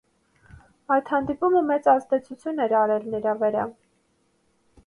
Այդ հանդիպումը մեծ ազդեցություն էր արել նրա վերա: